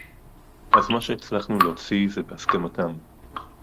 אז מה שהצלחנו להוציא זה בהסכמתם